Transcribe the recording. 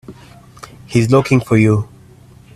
He's looking for you.